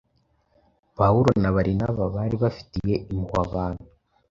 Pawulo na Barinaba bari bafitiye impuhwe abantu